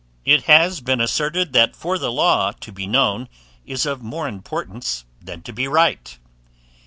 It has been asserted, that for the law to be KNOWN, is of more importance than to be RIGHT.